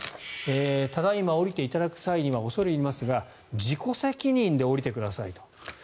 ただ今、降りていただく際には恐れ入りますが自己責任で降りてくださいと。